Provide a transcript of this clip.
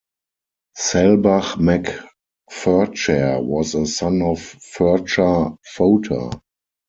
Selbach mac Ferchair was a son of Ferchar Fota.